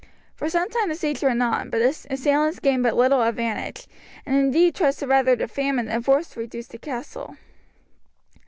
For some time the siege went on, but the assailants gained but little advantage, and indeed trusted rather to famine than force to reduce the castle.